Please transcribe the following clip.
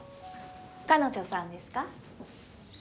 彼女さんですか？